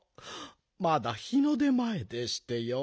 まだ日の出まえでしてよ。